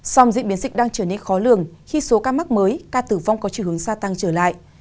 song diễn biến dịch đang trở nên khó lường khi số ca mắc mới ca tử vong có chiều hướng gia tăng trở lại